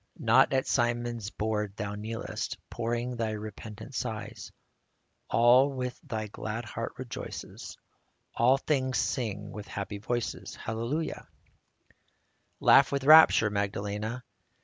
Not at Simon's board thou kneelest, Pouring thy repentant sighs : All with thy glad heart rejoices ; All things sing with happy voices, — Hallelujah! Laugh with rapture, Magdalena